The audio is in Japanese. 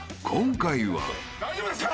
大丈夫ですか？